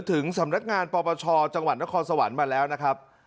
ถึงสำนักงานปปชจังหวัดนครสวรรค์มาแล้วนะครับ